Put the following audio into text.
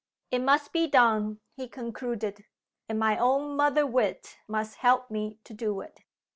"It must be done," he concluded. "And my own mother wit must help me to do it."